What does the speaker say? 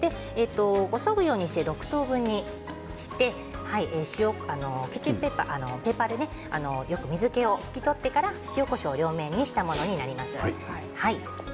そぐようにして６等分にしてキッチンペーパーでよく水けを拭き取ってから塩、こしょうを両面したものになります。